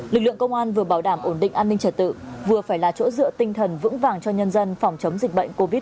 lực lượng công an vừa bảo đảm ổn định an ninh trật tự vừa phải là chỗ dựa tinh thần vững vàng cho nhân dân phòng chống dịch bệnh covid một mươi chín